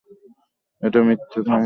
ঐটা মিথ্যা থামো!